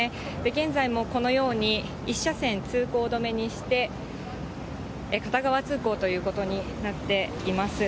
現在もこのように１車線通行止めにして、片側通行ということになっています。